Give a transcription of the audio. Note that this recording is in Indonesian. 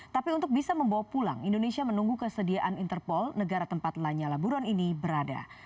tapi untuk bisa membawa pulang indonesia menunggu kesediaan interpol negara tempat lanyala buron ini berada